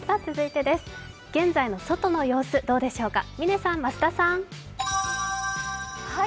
現在の外の様子どうでしょうか？